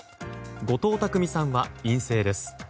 後藤拓実さんは陰性です。